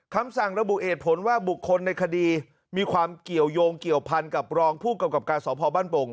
คำสั่งระบุเหตุผลว่าบุคคลในคดีมีความเกี่ยวยงเกี่ยวพันกับรองผู้กำกับการสพบ้านโป่ง